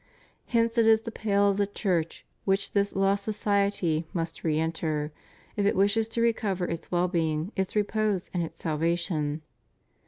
Hence it is the pale of the Church which this lost society must re enter, if it wishes to recover its well being, its repose, and its salvation.